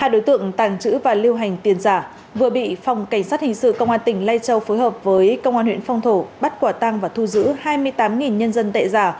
ba đối tượng tàng trữ và lưu hành tiền giả vừa bị phòng cảnh sát hình sự công an tỉnh lai châu phối hợp với công an huyện phong thổ bắt quả tăng và thu giữ hai mươi tám nhân dân tệ giả